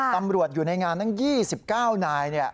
ตำรวจอยู่ในงานทั้ง๒๙นาย